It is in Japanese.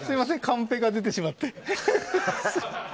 カンペが出てしまって。